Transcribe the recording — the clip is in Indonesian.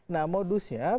nah modusnya biasanya